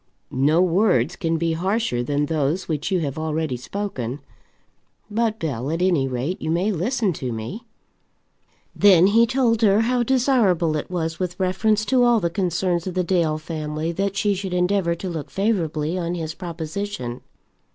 "No words can be harsher than those which you have already spoken. But, Bell, at any rate, you may listen to me." Then he told her how desirable it was with reference to all the concerns of the Dale family that she should endeavour to look favourably on his proposition.